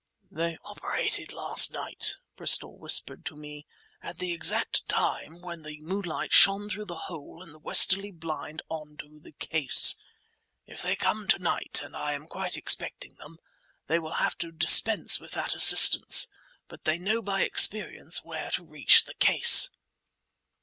"They operated last night," Bristol whispered to me, "at the exact time when the moonlight shone through the hole in the westerly blind on to the case. If they come to night, and I am quite expecting them, they will have to dispense with that assistance; but they know by experience where to reach the case."